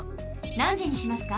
なんじにしますか？